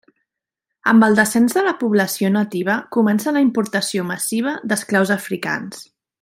Amb el descens de la població nativa comença la importació massiva d'esclaus africans.